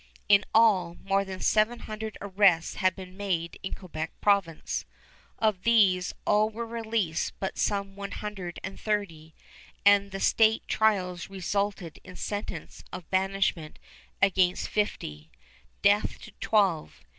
In all, more than seven hundred arrests had been made in Quebec Province. Of these all were released but some one hundred and thirty, and the state trials resulted in sentence of banishment against fifty, death to twelve.